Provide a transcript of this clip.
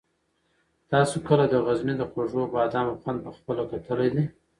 تاسو کله د غزني د خوږو بادامو خوند په خپله کتلی دی؟